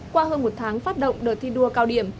qua hơn một tháng phát động đợt thi đua cao điểm